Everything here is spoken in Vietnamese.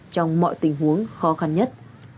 trong mọi tình huống khó khăn nhất